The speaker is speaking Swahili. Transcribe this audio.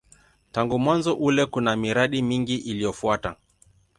Tangu mwanzo ule kuna miradi mingi iliyofuata.